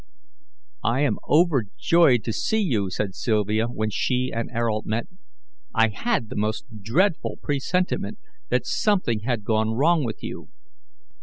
"I am overjoyed to see you," said Sylvia, when she and Ayrault met. "I had the most dreadful presentiment that something had gone wrong with you.